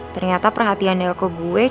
ternyata perhatiannya ke saya